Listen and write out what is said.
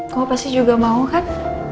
kau pasti juga mau kan